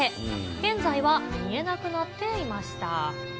現在は見えなくなっていました。